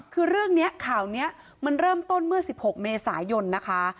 คือเรื่องนี้ข่าวนี้มันเริ่มต้นเมื่อ๑๖เมษายนนะคะ